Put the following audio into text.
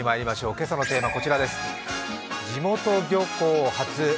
今朝のテーマはこちらです。